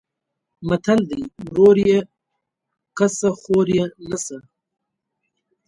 متل دی: ورور یې کسه خور یې نسه.